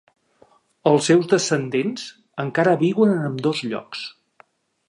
Els seus descendents encara viuen en ambdós llocs.